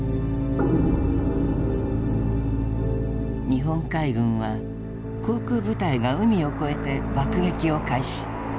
日本海軍は航空部隊が海を越えて爆撃を開始。